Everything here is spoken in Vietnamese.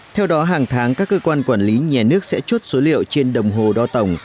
theo đó hàng tháng các cơ quan quản lý nhà nước sẽ chốt số liệu trên đồng hồ đo tổng